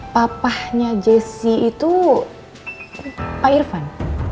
papahnya jessy itu pak irvan